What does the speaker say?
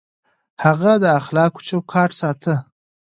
هغه د اخلاقو چوکاټ ساته.